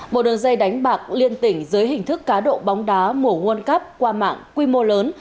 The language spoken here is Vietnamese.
một đường dây đánh bạc liên tỉnh dưới hình thức cá độ bóng đá mùa world cup qua mạng quy mô lớn